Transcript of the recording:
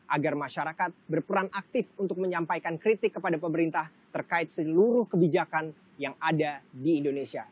agar masyarakat berperan aktif untuk menyampaikan kritik kepada pemerintah terkait seluruh kebijakan yang ada di indonesia